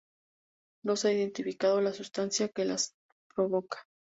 No se ha identificado la sustancia que las provoca.